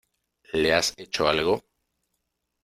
¿ le has hecho algo?